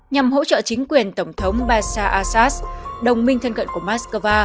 nhằm hỗ trợ chính quyền tổng thống bashar al assad đồng minh thân cận của moscow